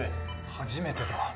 初めてだ。